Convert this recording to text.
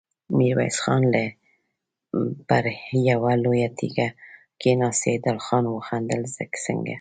ميرويس خان پر يوه لويه تيږه کېناست، سيدال خان وخندل: څنګه!